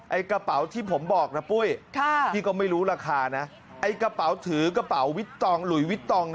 กระเป๋าที่ผมบอกนะปุ้ยพี่ก็ไม่รู้ราคานะไอ้กระเป๋าถือกระเป๋าวิตตองหลุยวิตตอง